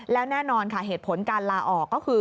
แล้วแน่นอนค่ะเหตุผลการลาออกก็คือ